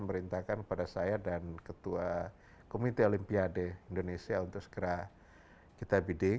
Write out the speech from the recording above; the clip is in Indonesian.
merintahkan kepada saya dan ketua komite olimpiade indonesia untuk segera kita bidding